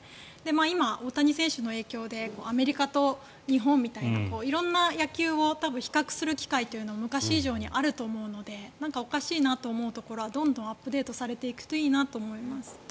今、大谷選手の影響でアメリカと日本みたいな色んな野球を比較する機会というのが昔以上にあると思うのでなんかおかしいなと思うところはどんどんアップデートされていくといいなと思います。